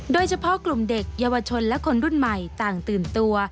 โดยเฉพาะกลุ่มเด็กเยาวชนและคนรุ่นใหม่ต่างตื่นตัว